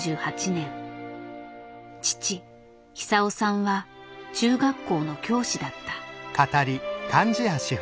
父久夫さんは中学校の教師だった。